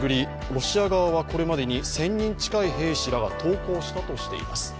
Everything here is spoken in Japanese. ロシア側はこれまでに１０００人近い兵士らが投降したとしています。